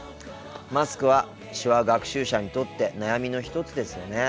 マスクは手話学習者にとって悩みの一つですよね。